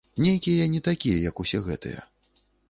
Нейкі я не такі, як усе гэтыя.